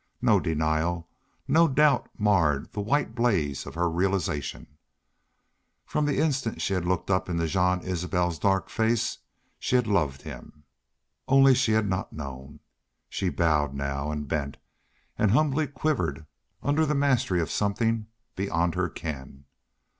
No denial, no doubt marred the white blaze of her realization. From the instant that she had looked up into Jean Isbel's dark face she had loved him. Only she had not known. She bowed now, and bent, and humbly quivered under the mastery of something beyond her ken.